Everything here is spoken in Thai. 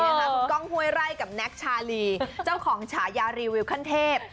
คุณก้องห้วยไร่กับแน็กชาลีเจ้าของฉายารีวิวขั้นเทพ